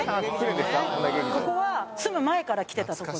ここは住む前から来てたとこで。